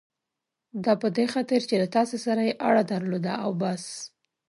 دا په دې خاطر چې له تا سره یې اړه درلوده او بس.